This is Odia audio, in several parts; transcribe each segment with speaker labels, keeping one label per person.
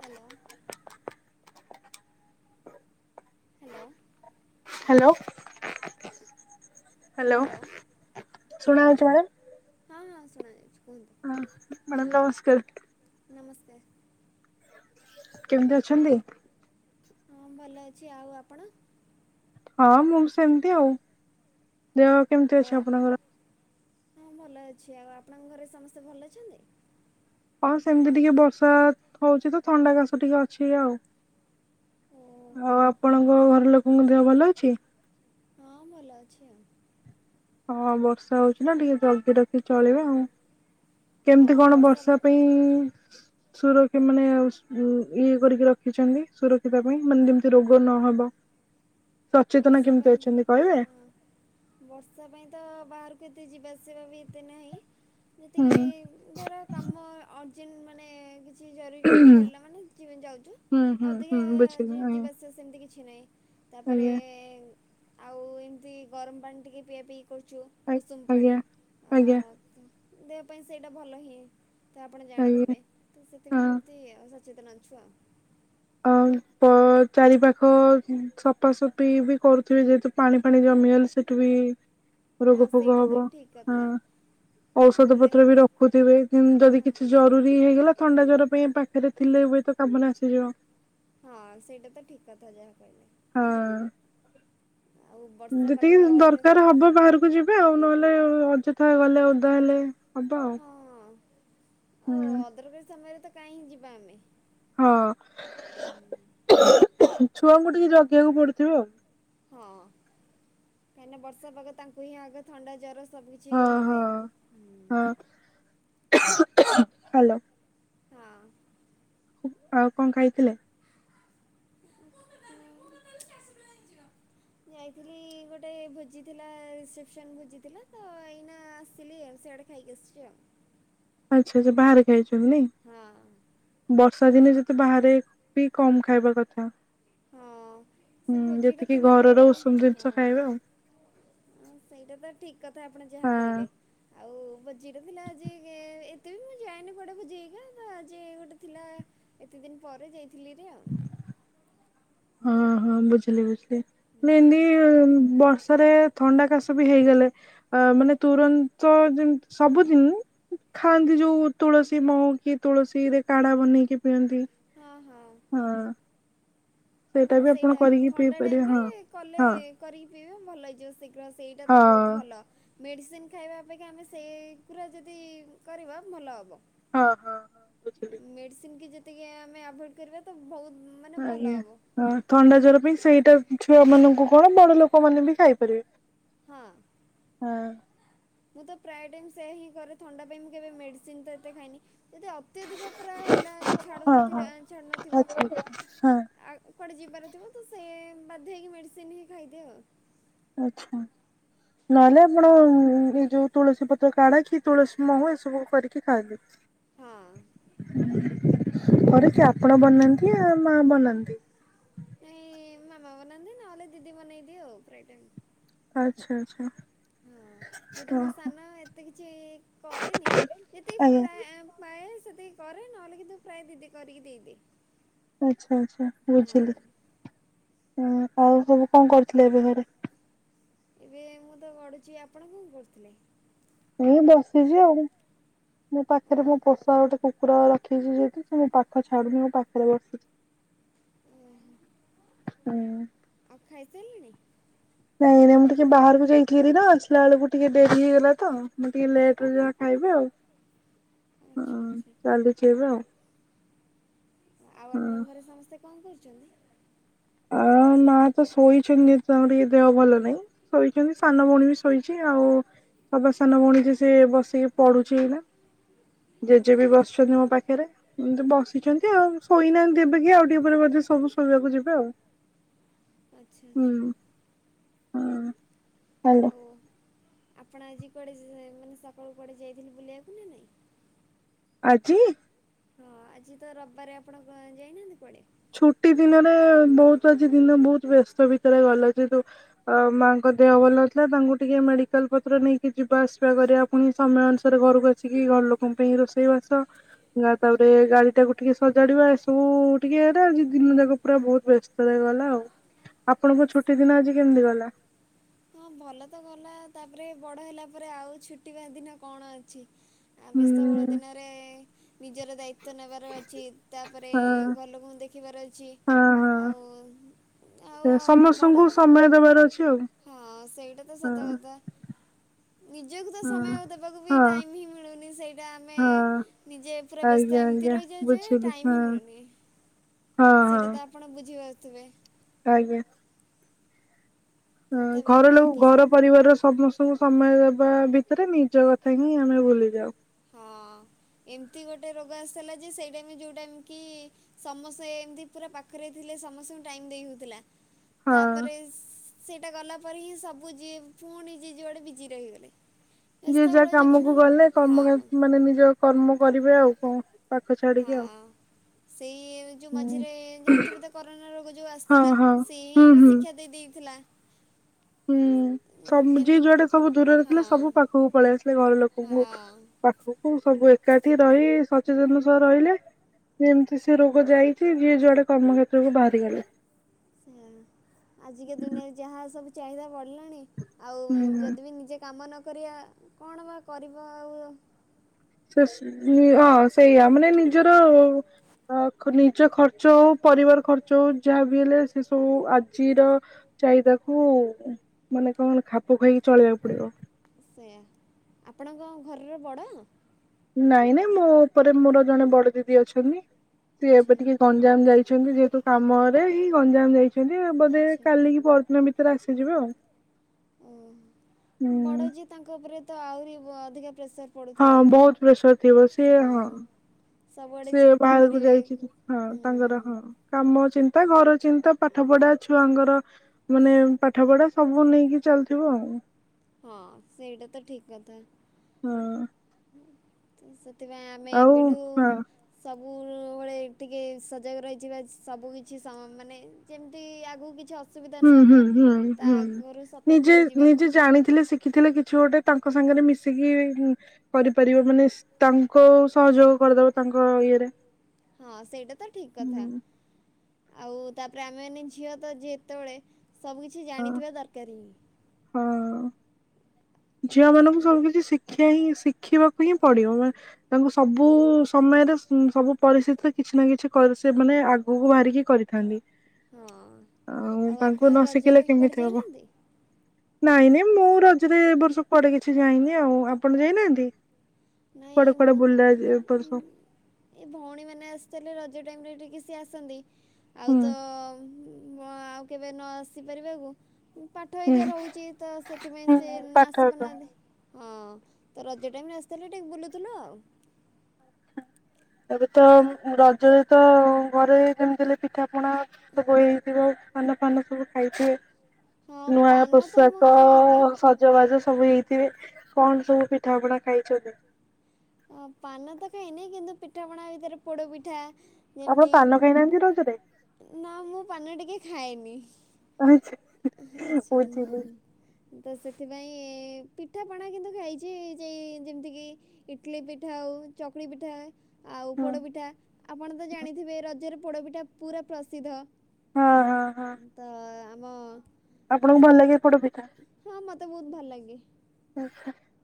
Speaker 1: ହ୍ୟାଲୋ। ହ୍ୟାଲୋ।
Speaker 2: ହ୍ୟାଲୋ ହ୍ୟାଲୋ ଶୁଣା
Speaker 1: ହ୍ୟାଲୋ
Speaker 2: ହେଉଛି ମ୍ୟାଡ଼ମ୍।
Speaker 1: ହଁ ହଁ ଶୁଣାଯାଉଛି କୁହନ୍ତୁ।
Speaker 2: ହୁଁ ମ୍ୟାଡ଼ାମ ନମସ୍କାର।
Speaker 1: ନମସ୍କାର।
Speaker 2: କେମିତି ଅଛନ୍ତି?
Speaker 1: ହଁ ଭଲ ଅଛି ଆଉ ଆପଣ?
Speaker 2: ହଁ ମୁଁ ସେମିତି ଆଉ ଦେହ କେମିତି
Speaker 1: ଆଉ
Speaker 2: ଅଛି ଆପଣଙ୍କର?
Speaker 1: ହଁ ଭଲ ଅଛି ଆଉ ଆପଣଙ୍କ ଘରେ ସମସ୍ତେ ଭଲ ଅଛନ୍ତି।
Speaker 2: ହଁ ସେମିତି ଟିକେ ବର୍ଷା ହଉଛି ତ ଥଣ୍ଡା ଘାସ ଟିକେ ଅଛି ଆଉ
Speaker 1: ଓହୋ
Speaker 2: ଆଉ ଆପଣଙ୍କ ଘର ଲୋକଙ୍କ ଦେହ ଭଲ ଅଛି?
Speaker 1: ହଁ ଭଲ ଅଛି ଆଉ।
Speaker 2: ହଁ ବର୍ଷା ହଉଛି ନା ଟିକେ ଜଗି ରଖି ଚଳିବେ ଆଉ।
Speaker 1: ହଁ।
Speaker 2: କେମିତି
Speaker 1: ହଁ
Speaker 2: କଣ ବର୍ଷା
Speaker 1: ପାଗ
Speaker 2: ପାଇଁ ସୁରକ୍ଷା ମାନେ ଉଁ ଇଏ କରିକି ରଖିଛନ୍ତି ସୁରକ୍ଷିତ ପାଇଁ ମାନେ ଯେମିତି ରୋଗ ନହବ। ସଚେତନ
Speaker 1: ବର୍ଷା
Speaker 2: କେମିତି
Speaker 1: ପାଇଁ
Speaker 2: ଅଛନ୍ତି କହିବେ?
Speaker 1: ହଁ ବର୍ଷା ପାଇଁ ତ ବାହାରକୁ ଏତେ ଯିବା ଆସିବା ବି ଏତେ ନାହିଁ।
Speaker 2: ହୁଁ
Speaker 1: ଯେତିକି ଧର କାମ ଅର୍ଜେଣ୍ଟ ମାନେ କି କିଛି ଜରୁରୀ କାମ ପଡ଼ିଲା ମାନେ ଯମି ଯାଉଛୁ
Speaker 2: ହୁଁ ହୁଁ ହୁଁ
Speaker 1: ଅଧିକା
Speaker 2: ବୁଝିଲି
Speaker 1: ଯି
Speaker 2: ଆଜ୍ଞା
Speaker 1: ଯିବାଆସିବା ସେମିତି କିଛି ନାହିଁ। ତାପରେ
Speaker 2: ଆଜ୍ଞା
Speaker 1: ଆଉ ଏମିତି ଗରମ ପାଣି ଟିକେ ପିଆ ପିଇ କରୁଛୁ।
Speaker 2: ଆ-
Speaker 1: ଉଷୁମ ପାଣି
Speaker 2: ଆଜ୍ଞା
Speaker 1: ଆ
Speaker 2: ଆଜ୍ଞା
Speaker 1: ତ ଦେହ ପାଇଁ ସେଇଟା ଭଲ ହିଏ। ତ ଆପଣ
Speaker 2: ଆଜ୍ଞା
Speaker 1: ଜାଣିଥିବେ ତ ସେଥିପାଇଁ
Speaker 2: ହଁ
Speaker 1: ଏମିତି ଆଉ ସଚେତନ ଅଛୁ ଆଉ।
Speaker 2: କାନ୍ଥ ଚାରିପାଖ ସଫାସଫି ବି କରୁଥିବେ ଯେହେତୁ ପାଣି ଫାଣି ଜମିଗଲେ ସେଠି ବି
Speaker 1: ହଁ
Speaker 2: ରୋଗ ଫୋଗ
Speaker 1: ସେଇଟା ତ
Speaker 2: ହବ
Speaker 1: ଠିକ୍
Speaker 2: ହଁ।
Speaker 1: କଥା
Speaker 2: ଔଷଧ
Speaker 1: ନହେଲେ
Speaker 2: ପତ୍ର ବି ରଖୁଥିବେ ହୁଁ ଯଦି
Speaker 1: ହଁ।
Speaker 2: କିଛି ଜ ଜରୁରୀ ହେଇଗଲା ଥଣ୍ଡା ଜ୍ୱର ପାଇଁ ପାଖରେ ଥିଲେ ହୁଏତ କାମରେ ଆସିଯିବ।
Speaker 1: ହଁ ସେଇଟା ତ ଠିକ କଥା ଯାହା କହିଲେ।
Speaker 2: ହଁ।
Speaker 1: ଆଉ ବର୍ଷା ପାଗ
Speaker 2: ଯେତିକି
Speaker 1: ଟାଇମରେ
Speaker 2: ଦରକାର ହବ ବାହାରକୁ ଯିବ ଯିବେ ଆଉ ନହେଲେ ଅଯୋଥା ଗଲେ ଓଦା ହେଲେ ହବ ଆଉ।
Speaker 1: ହଁ ହଁ। ଓ
Speaker 2: ହୁଁ
Speaker 1: ଅଦରକାରୀ ସମୟରେ ତ କାଇହିଁ ଯିବା ଆମେ
Speaker 2: ହଁ ଛୁଆଙ୍କୁ ଟିକେ ଜଗିବାକୁ ପଡୁଥିବ ଆଉ।
Speaker 1: ହଁ କାହିଁକିନା ବର୍ଷା ପାଗ ତାଙ୍କୁ ହିଁ ଆଗ ଥଣ୍ଡା ଜର ସବୁ କିିଛିହିଁ
Speaker 2: ଆଉ ହଁ
Speaker 1: ହେଇଥାଏ।
Speaker 2: ହଁ ହାଲୋ।
Speaker 1: ହଁ।
Speaker 2: ଆଉ କଣ ଖାଇଥିଲେ?
Speaker 1: [inaudible]
Speaker 2: [inaudible]
Speaker 1: ଯାଇଥିଲି ଗୋଟେ ଭୋଜି ଥିଲା ରିସେପସନ୍ ଭୋଜି ଥିଲା ତ ଏଇନା ଆସିଲି ଆଉ ସେଆଡ଼େ ଖାଇକିଆସିଛି ଆଉ।
Speaker 2: ଆଚ୍ଛା ଆଚ୍ଛା ବାହାରେ ଖାଇଛନ୍ତି ନାଇଁ।
Speaker 1: ହଁ।
Speaker 2: ବର୍ଷା ଦିନେ ଯଦି ବାହାରେ ବି କମ୍ ଖାଇବା କଥା।
Speaker 1: ହଁ ସେ
Speaker 2: ହୁଁ
Speaker 1: ଭୋଜିଟା
Speaker 2: ଯେତିକି
Speaker 1: ଥିଲା ଆଉ
Speaker 2: ଘରର ଉଷୁମ ଜିନିଷ ଖାଇବା
Speaker 1: ହଁ।
Speaker 2: ଆଉ।
Speaker 1: ହଁ ସେଇଟା ତ ଠିକ୍ କଥା ଆପଣ ଯାହା
Speaker 2: ହଁ
Speaker 1: କହିଲେ।
Speaker 2: [inaudible]
Speaker 1: ଭୋଜିର ଥିଲା ଆଜି ଏତେ ବି ମୁଁ ଯାଏନି କୁଆଡ଼େ ଭୋଜି ହେରୀକା ଆଜି ଗୋଟେ ଥିଲା। ଏତେ ଦିନ ପରେ ଯାଇଥିଲି ହେରି ଆଉ।
Speaker 2: ହଁ ହଁ ବୁଝିଲି ବୁଝିଲି ନା ଏନ୍ତି ବର୍ଷାରେ ଥଣ୍ଡା କାଶ ବି ହେଇଗଲେ ଅ ମାନେ ତୁରନ୍ତ ଯେମିତି ସବୁଦିନ ଖାଆନ୍ତି ଯୋଉ ତୁଳସୀ ମହୁ କି ତୁଳସୀରେ କାଢ଼ା ବନେଇକି ପିଅନ୍ତି।
Speaker 1: ହାଁ ହାଁ।
Speaker 2: ହଁ
Speaker 1: ହଁ
Speaker 2: ବି ଆପଣ
Speaker 1: ସେଇଟା
Speaker 2: କରିକି ପିଇ
Speaker 1: ଥଣ୍ଡା ଟାଇମ୍
Speaker 2: ପାରିବେ
Speaker 1: ରେ
Speaker 2: ହଁ
Speaker 1: କଲେ
Speaker 2: ହଁ
Speaker 1: କରିକି ପିଇବେ ଭଲ ହେଇଯିବ ଶୀଘ୍ର ସେଇଟା
Speaker 2: ହଁ
Speaker 1: ତ ବହୁତ ଭଲ। ମେଡ଼ିସିନ୍ ଖାଇବା ଅପେକ୍ଷା ଆମେ ସେଇଗୁରା ଯଦି କରିବା ଭଲ ହବ।
Speaker 2: ହଁ ହଁ ବୁଝିଲି।
Speaker 1: ମେଡ଼ିସିନ କି ଯେତିକି ଆମେ ଆଭଏଡ଼୍ କରିବା ତ ବହୁତ ମାନେ ଭଲ
Speaker 2: ଆଜ୍ଞା
Speaker 1: ହେବ।
Speaker 2: ହଁ ଥଣ୍ଡା ଜ୍ଵର ପାଇଁ ସେଇଟା ଛୁଆ ମାନଙ୍କୁ କଣ ବଡ଼ ଲୋକମାନେ ବି ଖାଇପାରିବେ।
Speaker 1: ହଁ।
Speaker 2: ହଁ।
Speaker 1: ମୁଁ ତ ପ୍ରାୟ ଟାଇମ୍ ସେୟା ହିଁ କରେ ଥଣ୍ଡା ପାଇଁ ମୁଁ କେବେ ମେଡ଼ିସିନ ତ ଏତେ ଖାଇନି ଯଦି ଅତ୍ୟଧିକ ପୁରା ହେଲା କି ଛାଡ଼ୁ
Speaker 2: ହଁ ହଁ
Speaker 1: ନଥିଲା ଛାଡ଼ୁ ନଥିବ
Speaker 2: ଆଚ୍ଛା ହଁ
Speaker 1: ଆ କୁଆଡ଼େ ଯିବାର ଥିବ ତ ସେ ବାଧ୍ୟ ହେଇକି ମେଡ଼ିସିନ ହିଁ ଖାଇଦିଏ ଆଉ।
Speaker 2: ଆଚ୍ଛା। ନହେଲେ ଆପଣ ଏଇ ଯୋଉ ତୁଳସୀ ପତ୍ର କାଢ଼ା କି ତୁଳସୀ, ମହୁ ଏସବୁ କରିକି ଖାଇବେ।
Speaker 1: ହଁ।
Speaker 2: ଘରେ କିଏ ଆପଣ ବନାନ୍ତି ଆଉ ମା ବନାନ୍ତି?
Speaker 1: ନାଇଁ ମାମା ବନାନ୍ତିି ନହେଲେ ଦିଦି ବନେଇଦିଏ ଆଉ ପ୍ରାଏ ଟାଇମ୍।
Speaker 2: ଆଚ୍ଛା, ଆଚ୍ଛା।
Speaker 1: ହଁ
Speaker 2: ତ
Speaker 1: ଯେହେତୁ ମୁଁ ସାନ ଏତେ କିଛି କରେନି ଯେତିକି
Speaker 2: ଆଜ୍ଞା
Speaker 1: ପ୍ରାୟ ପାଏ ସେତିକି କରେ ନହେଲେ କିନ୍ତୁ ପ୍ରାୟ ଦିଦି କରିକି ଦେଇଦିଏ।
Speaker 2: ଆଚ୍ଛା, ଆଚ୍ଛା
Speaker 1: ହଁ
Speaker 2: ବୁଝିଲି ଆଉ ସବୁ କଣ କରୁଥିଲେ ଏବେ ଘରେ?
Speaker 1: ଏବେ ମୁଁ ତ ଗଡ଼ୁଛି ଆପଣ କଣ କରୁଥିଲେ?
Speaker 2: ମୁଁ ବସିଛି ଆଉ ମୋ
Speaker 1: ଓ
Speaker 2: ପାଖରେ ମୋ ପୋଷା ଗୋଟେ କୁ କୁର ରଖିଛି ଯେହେତୁ ସେ ମୋ ପାଖ ଛାଡୁନି ମୋ ପାଖରେ ବସିଛି।
Speaker 1: ଓହୋ।
Speaker 2: ହୁଁ।
Speaker 1: ଆଉ ଖାଇ ସାଇଲେଣି?
Speaker 2: ନାଇଁ ନାଇଁ ମୁଁ ଟିକେ ବାହାରକୁ ଯାଇଥିଲିହେରି ନା ଆସିଲା ବେଳକୁ ଟିକେ ଡେରି ହେଇଗଲା ତ ମୁଁ ଟିକେ ଲେଟ ରେ ଯାହା ଖାଇବି ଆଉ।
Speaker 1: ଆଚ୍ଛା
Speaker 2: ହଁ
Speaker 1: ଆଚ୍ଛା।
Speaker 2: ଚାଲୁଛି ଏବେ ଆଉ।
Speaker 1: ଆଉ
Speaker 2: ହଁ।
Speaker 1: ଆପଣଙ୍କ ଘରେ ସମସ୍ତେ କଣ କରୁଛନ୍ତି?
Speaker 2: ଆଉ ମା ତ ଶୋଇଛନ୍ତି ତାଙ୍କର ଟିକେ ଦେହ ଭଲ ନାହିଁ। ଶୋଇଛନ୍ତି
Speaker 1: ଆଜ୍ଞା।
Speaker 2: ସାନ ଭଉଣୀ ବି ସ ଶୋଇଛି ଆଉ ସବା ସାନ ଭଉଣୀ ଯିଏ ସେ ବସିକି ପଢ଼ୁଛି ଏଇନା। ଜେଜେ
Speaker 1: ଓହୋ
Speaker 2: ବି ବସିଛନ୍ତି ମୋ ପାଖରେ। ଏମତି ବସିଛନ୍ତି ଆଉ ଶୋଇନାହାନ୍ତି ଏବେ କିଏ ଆଉ ଟିକେ ପ
Speaker 1: ଆଚ୍ଛା, ଆଚ୍ଛା।
Speaker 2: ହଁ ହ୍ୟାଲୋ
Speaker 1: ଓ ଆପଣ ଆଜି କୁଆଡ଼େ ମାନେ ସକାଳୁ କୁଆଡ଼େ ଯାଇଥିଲେ ବୁଲିବାକୁ ନା ନାଇଁ?
Speaker 2: ଆଜି
Speaker 1: ହଁ ଆଜି ତ ରବିବାରେ ଆପଣ ଯାଇନାହାନ୍ତି କୁଆଡେ?
Speaker 2: ଛୁଟି ଦିନରେ ବହୁତ ଆଜି ଦିନ ବହୁତ ବ୍ୟସ୍ତ ଭିତରେ ଗଲା ଯେହେତୁ ଆ ମାଙ୍କ ଦେହ ଭଲ ଥିଲା ତାଙ୍କୁ ଟିକେ ମେଡିକାଲ ପତ୍ର ନେଇକି ଯିବା ଆସିବା କରିବା ପୁଣି ସମୟ ଅନୁସାରେ ଘରକୁ ଆସିକି ଘର ଲୋକଙ୍କ ପାଇଁ ରୋଷେଇ ବାସ ନା ତାପରେ ଗାଡି ଟାକୁ ଟିକେ ସଜାଡିବା ଏସବୁ ଟିକେରେ ଆଜି ଦିନ ଯାକ ପୁରା ବହୁତ ବ୍ୟସ୍ତ ରେ ଗଲା ଆଉ ଆପଣଙ୍କ ଛୁଟି ଦିନ ଆଜି କେମିତି ଗଲା?
Speaker 1: ହଁ ଭଲ ତ ଗଲା ତାପରେ ବଡ଼ ହେଲା ପରେ ଆଉ ଛୁଟିବା ଦିନ କଣ ଅଛି? ଆ ବ୍ୟସ୍ତ ବଳ
Speaker 2: ହୁଁ
Speaker 1: ଦିନରେ ନିଜର ଦାୟିତ୍ଵ ନେବାର ଅଛି ତାପରେ
Speaker 2: ହଁ
Speaker 1: ଘରଲୋକଙ୍କୁ ଦେଖିବାର ଅଛି।
Speaker 2: ହଁ
Speaker 1: ଆଉ ଆଉ ବଡ଼
Speaker 2: କ
Speaker 1: ହେଲା
Speaker 2: ସମୟ ଦେବାର ଅଛି ଆଉ।
Speaker 1: ହଁ ସେଇଟା ତ
Speaker 2: ହଁ
Speaker 1: ସତ କଥା। ନିଜକୁ ତ
Speaker 2: ହଁ
Speaker 1: ସମୟ ଦେବାକୁ ବି
Speaker 2: ହଁ
Speaker 1: ଟାଇମ ହିଁ ମିଳୁନି ସେଇଟା ଆମେ
Speaker 2: ହଁ
Speaker 1: ନିଜେ ପୁରା ବ୍ୟସ୍ତ
Speaker 2: ଆଜ୍ଞା
Speaker 1: ଏମିତି
Speaker 2: ଆଜ୍ଞା
Speaker 1: ରହିଯାଏ ଯେ
Speaker 2: ବୁଝିଲି
Speaker 1: ଟାଇମ
Speaker 2: ହଁ
Speaker 1: ହିଁ ମିଳୁନି।
Speaker 2: ହଁ।
Speaker 1: ସେଇଟା
Speaker 2: ହଁ
Speaker 1: ତ ଆପଣ ବୁଝିପାରୁଥିବେ।
Speaker 2: ଆଜ୍ଞା। ହ
Speaker 1: ତଥାପି
Speaker 2: ଘର
Speaker 1: ଆମେ
Speaker 2: ଲ
Speaker 1: କିଛି
Speaker 2: ଘର ପରିବାରର ସମସ୍ତଙ୍କୁ ସମୟ ଦେବା ଭିତରେ ନିଜ କଥା ହିଁ ଆମେ ଭୁଲିଯାଉ।
Speaker 1: ହଁ ଏମିତି ଗୋଟେ ରୋଗ ଆସିଥିଲା ଯେ ସେଇଟାମ ଯେଉଁ ଟାଇମ କି ସମସ୍ତେ ଏମିତି ପୁରା ପାଖରେ ଥିଲେ ସମସ୍ତଙ୍କୁ ଟାଇମ ଦେଇ ହଉଥିଲା
Speaker 2: ହଁ
Speaker 1: ତାପରେ ସେଇଟା ଗଲା ପରେ ହିଁ ସବୁ ଯିଏ ଫୋନ ଯିଏ ଯଆଡେ ବିଜି ରହିଗଲେ।
Speaker 2: ଯିଏ
Speaker 1: ବ୍ୟସ୍ତବହୁଳ
Speaker 2: ଯାହା କାମକୁ
Speaker 1: ଜୀବନରେ
Speaker 2: ଗଲେ କର୍ମ
Speaker 1: ହଁ।
Speaker 2: ମାନେ ନିଜ କର୍ମ କରିବେ ଆଉ କଣ। ପଡ଼ିି ଆଉ
Speaker 1: ହଁ ସେଇ ଯୋଉ
Speaker 2: ହୁଁ
Speaker 1: ମଝିରେ ଜାଣିଥିବେ ତ କରୋନା ରୋଗ ଯୋଉ
Speaker 2: ହଁ
Speaker 1: ଆସିଥିଲା ସେ ହିଁ ଆମେ ଶ ଶିକ୍ଷା ଦେଇ ଦେଇେଥିଲା।
Speaker 2: ହ [unintelligible] ହୁଁ ସ ଯିଏ
Speaker 1: କେମିତି
Speaker 2: ଯୁଆଟା ସବୁ ଦୂରରେ
Speaker 1: ହଁ
Speaker 2: ଥିଲେ ସବୁ ପାଖକୁ ପଳେଇ ଆସଥିଲେ ଘର ଲୋକଙ୍କୁ
Speaker 1: ହଉ
Speaker 2: ପାଖକୁ ସବୁ ଏକାଠି ରହି ସଚେତନ ସହ ରହିଲେ। ଏମିତି ସେ ରୋଗ ଯାଇଛି ଯିଏ ଯୁଆଡେ କର୍ମକ୍ଷେତ୍ରୁ ବାହାରିଗଲେ।
Speaker 1: ହ ଆଜିକା ଦୁନିଆରେ ଯାହା ସବୁ ଚାହିଦା ବଢିଲାଣି ଆଉ
Speaker 2: ହୁଁ।
Speaker 1: ଯଦି ବି ନିଜେ କାମ ନ କରିବା କଣ ବା କରିବ ଆଉ
Speaker 2: ସେ ହଁ ସେଇଆା ମାନେ ନିଜର ନିଜ ଖର୍ଚ୍ଚ ହଉ। ପରିବାର ଖର୍ଚ୍ଚ ହ ଯାହା ବି ହେଲେ ସେ ସବୁ ଆଜିର ଚାହିଦା। ହଉ ମାନେ କଣ ଖାପ ଖୁାଇକି ଚଳେଇବାକୁ ପଡିବ।
Speaker 1: ସେୟା ଆପଣଙ୍କ ଘରର ବଡ଼?
Speaker 2: ନାଇଁ ନାଇଁ ମୁଁ ପରେ ମୋର ଜଣେ ବଡ ଦିଦି ଅଛନ୍ତି ସିଏ ଏବେ
Speaker 1: ଆଚ୍ଛା
Speaker 2: ଟିକେ ଗଞ୍ଜାମ ଯାଇଛନ୍ତି ଯେହେତୁ କାମରେ ହଇ ଗଞ୍ଜାମ ଯାଇଛନ୍ତି ବୋଧେ
Speaker 1: ଆଚ୍ଛା
Speaker 2: କାଲିକି ପରଦିନ ଭିତରେ ଆସିଯିବେ ଆଉ।
Speaker 1: ଓୋ
Speaker 2: ହୁଁ
Speaker 1: ବଡ଼ଜୀ ତାଙ୍କ ଉପରେ ତ ଆହୁରି ଅଧିକା ପ୍ରେସର
Speaker 2: ହଁ ବହୁତ ପ୍ରେସର ଥିବ ସିଏ ହଁ।
Speaker 1: ସବୁଆଡ଼େ
Speaker 2: ସେ
Speaker 1: ଚିନ୍ତା
Speaker 2: ବାହାରକୁ
Speaker 1: କରିବେ
Speaker 2: ଯାଇଛି ହଁ
Speaker 1: ହୁଁ
Speaker 2: ତାଙ୍କର ହଁ। କାମ ଚିନ୍ତା ଘର ଚିନ୍ତା ପାଠ ପଢା ଛୁଆଙ୍କର ମାନେ ପାଠ ପଢା ସବୁ ନେଇକି ଚାଲିଥିବ ଆଉ।
Speaker 1: ହଁ ସେଇଟା ତ ଠିକ କଥା।
Speaker 2: ହଁ।
Speaker 1: ତ ସେଥିପାଇଁ ଆମେ
Speaker 2: ଆଉ
Speaker 1: ଏବେଠୁ
Speaker 2: ହଁ
Speaker 1: ସବୁବେଳେ ଟିକେ ସଜାଗ ରହିଛି ବା ସବୁ କିଛି ମାନେ ଯେମିତି ଆଗକୁ କିଛି ଅସୁବିଧା ନ
Speaker 2: ହୁଁ
Speaker 1: ହେବ
Speaker 2: ହୁଁ ହୁଁ
Speaker 1: ତା
Speaker 2: ହୁଁ
Speaker 1: ଆଗରୁ ସତର୍କ
Speaker 2: ନିଜେ
Speaker 1: ହେଇଯିବା
Speaker 2: ନିଜେ ଜାଣିଥିଲେ ଶିଖିଥିଲେ କି ଛୁଅଟେ ତାଙ୍କ ସାଙ୍ଗରେ ମିଶିକି କରିପାରିବ ମାନେ ତାଙ୍କୁ ସହଯୋଗ କରିଦବ ତାଙ୍କ ଇଏରେ
Speaker 1: ହଁ ସେଇଟା ତ ଠିକ୍ କଥା ଆଉ ତାପରେ ଆମେମାନେ ଝିଅ ତ ଯେ ଯେତେବେଳେ ସବୁ କିିଛି
Speaker 2: ହଁ
Speaker 1: ଜାଣିଥିବା ଦରକାର ହିଁ।
Speaker 2: ହଁ ଝିଅ ମାନଙ୍କୁ ସବୁ କିଛି ଶିଖ ଶିକ୍ଷା ହିଁ ଶିଖିବାକୁ ହିଁ ପଡିବ ମା ତାଙ୍କୁ ସବୁ ସମୟରେ ସବୁ ପରିସ୍ଥିତିରେ କିଛି ନା କିଛି କରି ସେ ମାନେ ଆଗକୁ ବାହାରିକି କରିଥାନ୍ତି
Speaker 1: ହଁ
Speaker 2: ଆଉ ତାଙ୍କୁ
Speaker 1: ଆପଣ
Speaker 2: ନ ଶିଖିଲେ
Speaker 1: ରଜରେ କୁଆଡ଼େ
Speaker 2: କେମିତି ହବ।
Speaker 1: ଯାଇନାହାନ୍ତି
Speaker 2: ନାଇଁ ନାଇଁ ମୁଁ ରଜରେ ଏ ବର୍ଷ କୁଆଡ଼େ କିଛି ଯାଇନି ଆଉ ଆପଣ ଯାଇନାହାନ୍ତି?
Speaker 1: ନାଇଁ
Speaker 2: କୁଆଡେ କୁଆଡେ
Speaker 1: ମୁଁ
Speaker 2: ବୁଲିଲା ଏ ବର୍ଷ
Speaker 1: ଏ ଭଉଣୀମାନେ ଆସିଥିଲେ ରଜ ଟାଇମ ରେ ଟିକେ ସି ଆସନ୍ତି, ଆଉ
Speaker 2: ହୁଁ
Speaker 1: ତ ଆଉ କେବେ ନ ଆସି ପାରିବାକୁ ପାଠ
Speaker 2: ହୁଁ
Speaker 1: ହେଇକା ରହୁଛି ତ ସେଥିପାଇଁ
Speaker 2: ହୁଁ
Speaker 1: ସେ
Speaker 2: ପାଠ
Speaker 1: ଆସି
Speaker 2: ଏକ
Speaker 1: ପାରୁନାହାନ୍ତି। ହଁ ତ ରଜ ଟାଇମରେ ଆସିଥିଲେ ଟିକେ ବୁଲୁଥିଲୁ ଆଉ।
Speaker 2: ଏବେ ତ ରଜରେ ତ ଘରେ ଯେମିତି ହେଲେ ପିଠା ପଣା ସବୁଇ ହେଇଥିବ। ଫାନ ଫାନ ସବୁ ଖାଇଛ
Speaker 1: ହଁ
Speaker 2: ନୂଆ
Speaker 1: ପାନ ତ ମୁଁ
Speaker 2: ପୋଷାକ
Speaker 1: ଖାଇନି
Speaker 2: ଜବାଜ ସବୁ ହେଇଥିବେ କଣ ସବୁ ପିଠା ପଣା ଖାଇଛନ୍ତି?
Speaker 1: ହଁ ପାନ ତ ଖାଇଁନି କିନ୍ତୁ ପିଠାପଣା ଭିତରେ ପୋଡ଼ପିଠା।
Speaker 2: ଆପଣ
Speaker 1: ଯେମତି
Speaker 2: ପାନ ଖାଇନାହାନ୍ତି ରଜରେ?
Speaker 1: ନା ମୁଁ ପାନ ଟିକେ ଖାଏନି।
Speaker 2: ଆଚ୍ଛା।
Speaker 1: ଆଛା ହୁଁ
Speaker 2: ବୁଝିଲି
Speaker 1: ତ ସେଥିପାଇଁ ପିଠାପଣା କିନ୍ତୁ ଖାଇଛି ଯେ ଯେମିତିକି ଇଡଲି ପିଠା ଆଉ ଚକୁଳି ପିଠା ଆଉ
Speaker 2: ହଁ
Speaker 1: ପୋଡ଼ପିଠା ଆପଣ ତ ଜାଣିଥିବେ ରଜରେ ପୋଡ଼ପିଠା ପୁରା ପ୍ରସିଦ୍ଧ।
Speaker 2: ହଁ ହଁ ହଁ
Speaker 1: ତ ଆମ
Speaker 2: ଆପଣଙ୍କୁ ଭଲ
Speaker 1: ସେ
Speaker 2: ଲାଗେ ପୋଡ ପିଠା?
Speaker 1: ହଁ ମତେ ବୋହୁତ ଭଲ ଲାଗେ।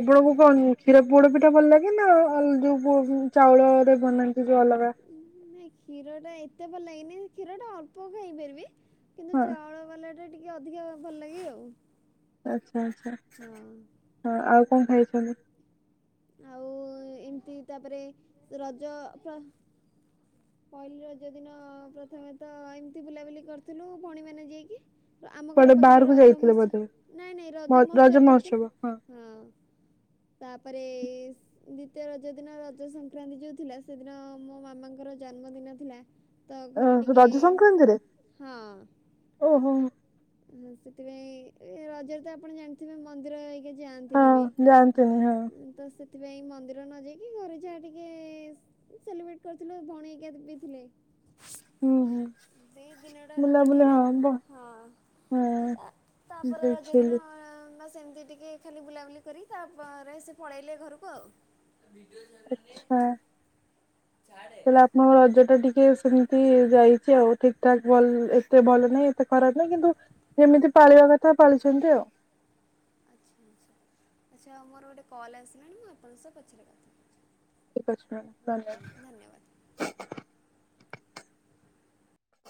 Speaker 2: ଆପଣଙ୍କୁ କଣ କ୍ଷୀର ପୋଡ ପିଠା ଭଲ ଲାଗେ ନା? ଆଲ ଯୋ ପୋ ଚାଉଳରେ ବନାନ୍ତି ଯେଉଁ ଅଲଗା।
Speaker 1: ନାଇଁ କ୍ଷୀର ଟା ଏତେ ଭଲ ଲାଗେନି କ୍ଷୀର ଟା ଅଳ୍ପ ଖାଇପାରିବି। କିନ୍ତୁ
Speaker 2: ହଁ
Speaker 1: ଚାଉଳ ବାଲା ଟା ଟିକେ ଅଧିକା ଭଲ ଲାଗେ ଆଉ।
Speaker 2: ଆଚ୍ଛା ଆଚ୍ଛ
Speaker 1: ହଁ
Speaker 2: ହଁ ଆଉ କଣ ଖାଇଚ?
Speaker 1: ଆଉ ଏମିତି ତାପରେ ରଜ ପହିଲି ରଜ ଦିନ ପ୍ରଥମେ ତ ଏମତି ବୁଲାବୁଲି କରିଥିଲୁ ଭଉଣୀ ମାନେ ଯାଇକି। ଆମ ଘର
Speaker 2: କୁଆଡେ
Speaker 1: ପାଖରେ
Speaker 2: ବାହାରକୁ
Speaker 1: ରଜ
Speaker 2: ଯାଇଥିଲେ
Speaker 1: ମସ
Speaker 2: ବୋଧେ?
Speaker 1: ନାଇଁ ନାଇଁ ରଜ ମହୋତ୍ସବ ପଡ଼ିଥିଲା ହଁ। ତାପରେ ଦ୍ଵିତୀୟ ରଜ ଦିନ ରଜ ସଂକ୍ରାନ୍ତି ଯୋଉ ଥିଲା ସେଦିନ ମୋ ମାମାଙ୍କର ଜନ୍ମଦିନ ଥିଲା। ତ ଘରେ
Speaker 2: ହଁ
Speaker 1: ଟିକେ
Speaker 2: ରଜ ସଂକ୍ରାନ୍ତିରେ
Speaker 1: ହଁ।
Speaker 2: ଓହୋ।
Speaker 1: ସେଥିପାଇଁ ରଜରେ ତ ଆପଣ ଜାଣିଥିବେ ମନ୍ଦିରଇକ
Speaker 2: ହଁ
Speaker 1: ଯାଆନ୍ତିନି ବି
Speaker 2: ଜାଣିଥିଲି ହଁ
Speaker 1: ତ ସେ ସେଥିପାଇଁ ମନ୍ଦିର ନଯାଇକି ଘରେ ଯାହା ଟିକେ ସେଲିବ୍ରେଟ୍ କରିଥିଲୁ ଭଉଣି ରିକାବି ଥିଲେ
Speaker 2: ହୁଁ ହୁଁ।
Speaker 1: ସେଇ ଦିନ ଟା କଟିଗଲା ହଁ।
Speaker 2: ହଁ
Speaker 1: ତାପରେ
Speaker 2: ବୁଝିଲି
Speaker 1: ରଜଦିନ ବାସ୍ ସେମିତି ଟିକେ ଖାଲି ବୁଲାବୁଲି କରି ତାପରେ ସେ ପଳେଇଲେ ଘରକୁ ଆଉ। ଭିଡିଓ ଛାଡୁନୁ
Speaker 2: ଆଚ୍ଛା।
Speaker 1: ଟିକେ ଛାଡ଼େ।
Speaker 2: ମଁ ରଜ ଟା ଟିକେ ସେମିତି ଯାଇଛି ଆଉ ଠିକ୍ ଟ ଭଲ ଏତେ ଭଲ ନାହିଁ ଏତେ ଖରାପ ନାହିଁ କିନ୍ତୁ ଯେମିତି ପାଳିବା କଥା ପାଳିଛନ୍ତି ଆଉ।
Speaker 1: ଆଚ୍ଛା ଆଚ୍ଛା ହୋଉ ମୋର ଗୋଟେ କଲ୍ ଆସିଲାଣି ମୁଁ ଆପଣଙ୍କ ସହ ପଛରେ କଥା କହୁଛି।
Speaker 2: ଠିକ୍ ଅଛି ମାମ୍
Speaker 1: ହୁଁ
Speaker 2: ଧନ୍ୟବାଦ।
Speaker 1: ଧନ୍ୟବାଦ।